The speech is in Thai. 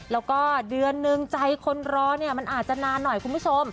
แล้วก็เดือนนึงใจคนรอเนี่ยมันอาจจะนานหน่อยคุณผู้ชม